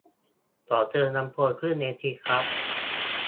ขอเชิญลำโพงขึ้นเวทีครับ